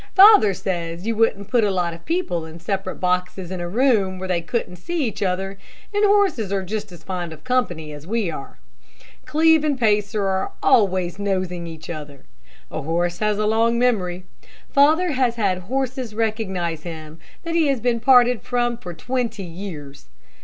Father says you wouldn't put a lot of people in separate boxes in a room, where they couldn't see each other, and horses are just as fond of company as we are. Cleve and Pacer are always nosing each other. A horse has a long memory. Father has had horses recognize him, that he has been parted from for twenty years.